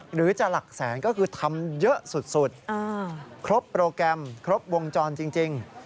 หรือจะหลักแสนก็คือทำเยอะสุดครบโปรแกรมครบวงจรจริง